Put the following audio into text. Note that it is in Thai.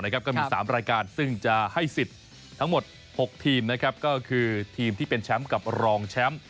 ก็มี๓รายการซึ่งจะให้สิทธิ์ทั้งหมด๖ทีมก็คือทีมที่เป็นแชมป์กับรองแชมป์